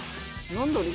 何だろう？